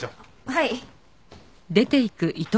はい。